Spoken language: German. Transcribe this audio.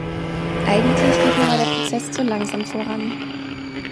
Eigentlich geht mir aber der Prozess zu langsam voran.